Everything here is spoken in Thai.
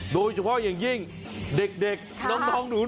โดยเฉพาะอย่างยิ่งเด็กน้องหนู